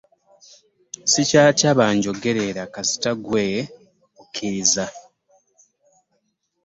Ssikyatya banjogerera kasita ggwe okkirizza.